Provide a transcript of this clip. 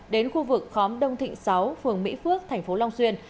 đến khu vực khóm đông thịnh sáu phường mỹ phước thành phố long xuyên